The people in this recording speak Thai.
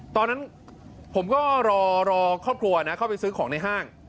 ตอนนั้นผมก็รอครอบครัวนะเข้าไปซื้อของในห้าง